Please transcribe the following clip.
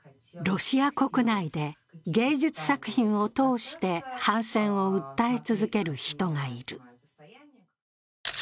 ロシア国内で芸術作品を通して反戦を訴え続ける人がいる。